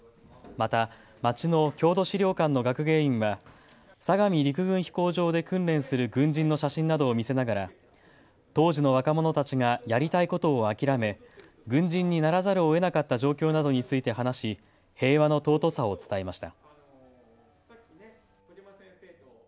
また町の郷土資料館の学芸員は相模陸軍飛行場で訓練する軍人の写真などを見せながら当時の若者たちがやりたいことを諦め、軍人にならざるをえなかった状況などについて話し平和の尊さを伝えました。